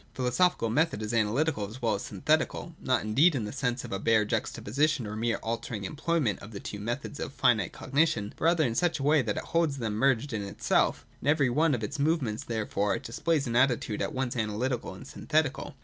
Philosophical method is analytical as well as synthetical, not indeed in the sense of a bare juxtaposition or mere alternating employment of these two methods of finite cognition, but rather in such a way that it holds them merged in itself In every one of its movements therefore it displays an attitude at once analytical and synthetical.